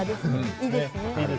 いいですね。